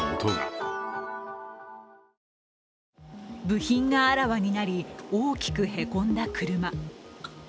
部品があらわになり、大きくへこんだ車。